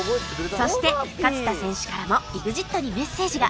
そして勝田選手からも ＥＸＩＴ にメッセージが